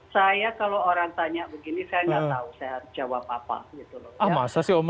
saya kalau orang tanya begini saya nggak tahu saya harus jawab apa gitu loh